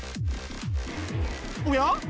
おや？